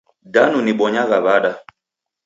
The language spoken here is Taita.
Danu nibonyagha wada?